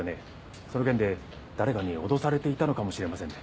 その件で誰かに脅されていたのかもしれませんね。